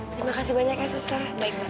terima kasih banyak ya susta